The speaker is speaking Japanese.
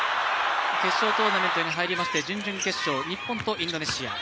決勝トーナメントに入りまして準々決勝、日本とインドネシア。